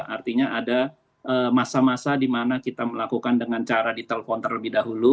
artinya ada masa masa di mana kita melakukan dengan cara ditelepon terlebih dahulu